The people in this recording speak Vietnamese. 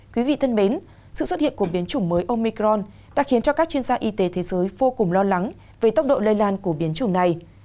quý vị thân mến sự xuất hiện của biến chủng mới omicron đã khiến cho các chuyên gia y tế thế giới vô cùng lo lắng về tốc độ lây lan của biến chủng này